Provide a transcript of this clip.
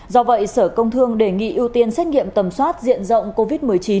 do vậy sở công thương đề nghị ưu tiên xét nghiệm tầm soát diện rộng covid một mươi chín